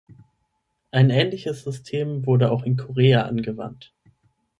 Ein ähnliches System wurde auch in Korea angewandt.